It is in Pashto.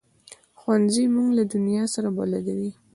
ښوونځی موږ له دنیا سره بلدوي